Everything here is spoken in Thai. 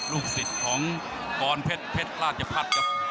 ลูกสิทธิ์ของกรเพชรราชพัฒน์